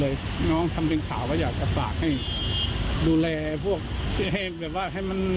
เน้นคนก็ดูมันก็อย่ามักเกาะสิ